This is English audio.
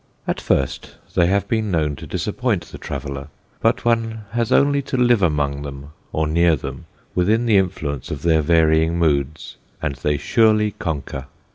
At first they have been known to disappoint the traveller, but one has only to live among them or near them, within the influence of their varying moods, and they surely conquer.